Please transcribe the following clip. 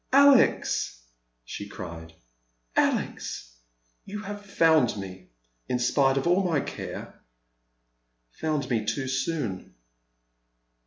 " Alex !" she cried, " Alex ! you have found me, in spite of all my care — found me too soon."